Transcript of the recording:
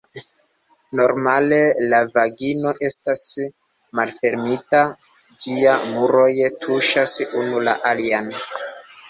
Normale la vagino estas malfermita, ĝiaj muroj tuŝas unu la alian.